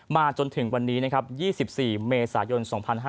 มาจนถึงวันนี้๒๔เมษายน๒๕๕๙